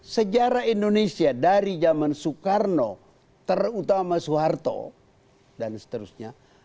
sejarah indonesia dari zaman soekarno terutama soeharto dan seterusnya